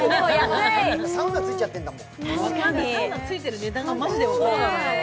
サウナついちゃってるんだもん。